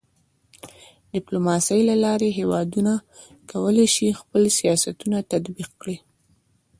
د ډيپلوماسۍ له لارې هېوادونه کولی سي خپل سیاستونه تطبیق کړي.